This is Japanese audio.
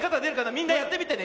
みんなやってみてね。